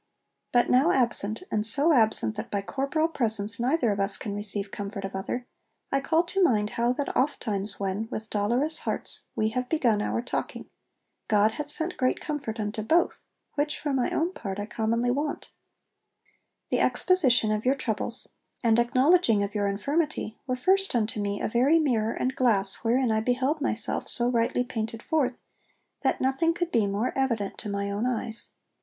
But now absent, and so absent that by corporal presence neither of us can receive comfort of other, I call to mind how that ofttimes when, with dolorous hearts, we have begun our talking, God hath sent great comfort unto both, which for my own part I commonly want. The exposition of your troubles, and acknowledging of your infirmity, were first unto me a very mirror and glass wherein I beheld myself so rightly painted forth, that nothing could be more evident to my own eyes.